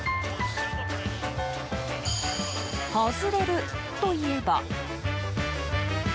外れるといえば。